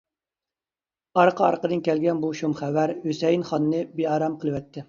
ئارقا-ئارقىدىن كەلگەن بۇ شۇم خەۋەر ھۈسەيىن خاننى بىئارام قىلىۋەتتى.